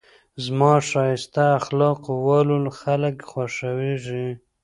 زما ښایسته اخلاقو واله خلک خوښېږي.